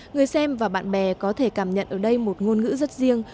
người xem và bạn bè có thể cảm nhận ở đây một ngôn ngữ rất riêng